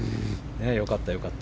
良かった、良かった。